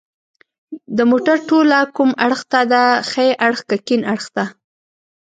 د موټر توله کوم اړخ ته ده ښي اړخ که کیڼ اړخ ته